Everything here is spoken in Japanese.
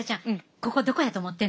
ここどこやと思ってんの？